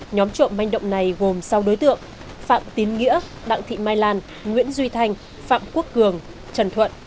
nhóm trộm manh động này gồm sáu đối tượng phạm tín nghĩa đặng thị mai lan nguyễn duy thanh phạm quốc cường trần thuận